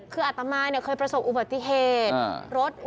คืออาตมายนะเคยผสมอุบัติเหตุ